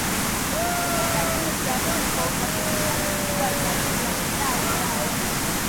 Uganda ni nchi ya pili kwa usafirishaji mkubwa zaidi wa bidhaa kwenda Kongo